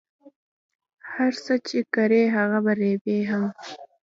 هر څه چی کری هغه به ریبی هم